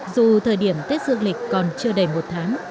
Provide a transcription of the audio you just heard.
dù thời điểm tết dương lịch còn chưa đầy một tháng